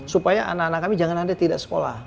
supaya anak anak kami jangan nanti tidak sekolah